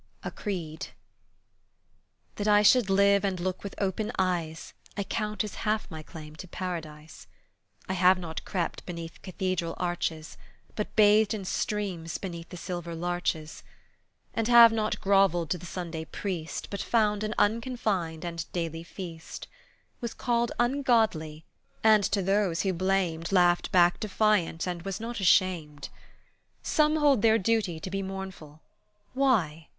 A CREED THAT I should live and look with open eyes I count as half my claim to Paradise. I have not crept beneath cathedral arches, But bathed in streams beneath the silver larches; And have not grovelled to the Sunday priest, But found an unconfined and daily feast; Was called ungodly, and to those who blamed Laughed back defiance and was not ashamed. Some hold their duty to be mournful; why?